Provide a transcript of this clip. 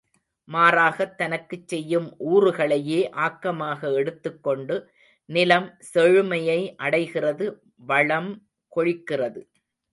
மாறாகத் தனக்குச் செய்யும் ஊறுகளையே ஆக்கமாக எடுத்துக் கொண்டு நிலம் செழுமையை அடைகிறது வளம் கொழிக்கிறது.